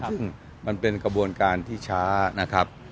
ซึ่งมันเป็นกระบวนการที่ช้านะครับ